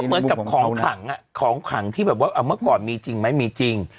เหมือนกับของขังของขังที่แบบว่าเมื่อก่อนมีจริงไหมมีจริง